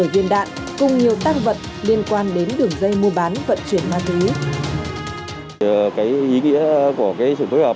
một mươi viên đạn cùng nhiều tăng vật liên quan đến đường dây mua bán vận chuyển ma túy